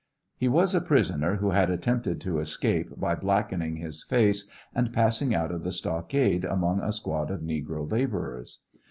He was a prisoner who had attempted to escape by blackening his face, and passing out of the stockade among a squad of negro laborers.